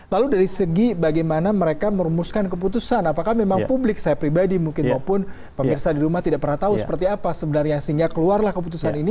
lalu dari segi bagaimana mereka merumuskan keputusan apakah memang publik saya pribadi mungkin maupun pemirsa di rumah tidak pernah tahu seperti apa sebenarnya sehingga keluarlah keputusan ini